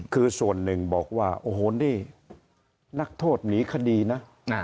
คือส่วนหนึ่งบอกว่าโอ้โหนี่นักโทษหนีคดีนะ